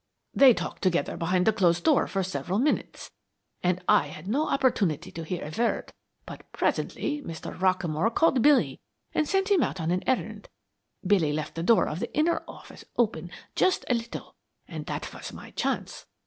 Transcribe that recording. They talked together behind the closed door for several minutes and I had no opportunity to hear a word, but presently Mr. Rockamore called Billy and sent him out on an errand. Billy left the door of the inner office open just a little and that was my chance.